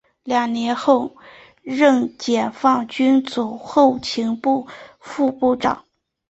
两年后任解放军总后勤部副部长。